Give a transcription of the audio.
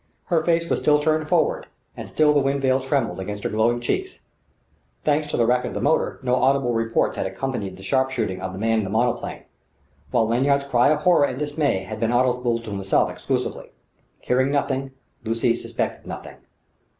Her face was still turned forward, and still the wind veil trembled against her glowing cheeks. Thanks to the racket of the motor, no audible reports had accompanied the sharp shooting of the man in the monoplane; while Lanyard's cry of horror and dismay had been audible to himself exclusively. Hearing nothing, Lucy suspected nothing.